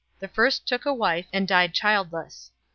The first took a wife, and died childless.